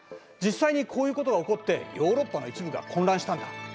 実際にこういうことが起こってヨーロッパの一部が混乱したんだ。